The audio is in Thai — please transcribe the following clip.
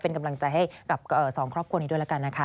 เป็นกำลังใจให้กับสองครอบครัวนี้ด้วยแล้วกันนะคะ